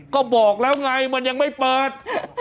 ก็บอกแล้วไงมันยังไม่เปิด